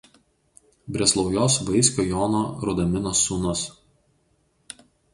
Breslaujos vaiskio Jono Rudaminos sūnus.